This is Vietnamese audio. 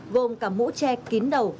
gồm cả mũ che kín đầu